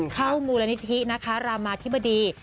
เข้ามูลนิธินะคะรามาธิบดี